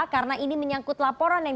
karena ini menyangkut laporan yang